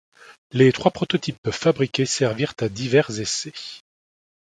Les trois prototypes fabriqués servirent à divers essais.